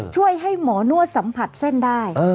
ช่วยให้หมอนวดสัมผัสเส้นได้